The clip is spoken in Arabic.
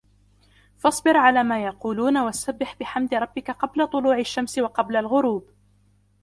فاصبر على ما يقولون وسبح بحمد ربك قبل طلوع الشمس وقبل الغروب